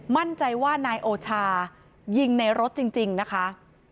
มั่นใจว่านายโอชายิงในรถจริงนะคะ